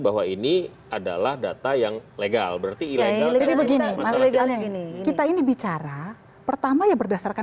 bahwa ini adalah data yang legal berarti ilegal jadi begini kita ini bicara pertama ya berdasarkan